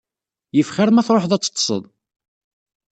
Yif xir ma truḥeḍ ad teṭseḍ.